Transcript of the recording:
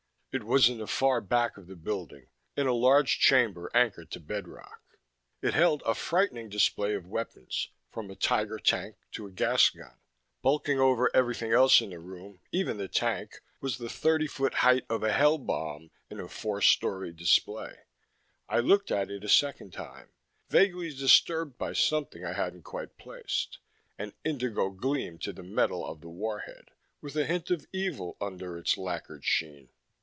It was in the far back of the building, in a large chamber anchored to bedrock. It held a frightening display of weapons, from a Tiger Tank to a gas gun. Bulking over everything else in the room, even the tank, was the thirty foot height of a Hell bomb in a four story display. I looked at it a second time, vaguely disturbed by something I hadn't quite placed an indigo gleam to the metal of the warhead, with a hint of evil under its lacquered sheen....